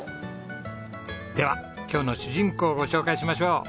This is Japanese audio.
では今日の主人公ご紹介しましょう。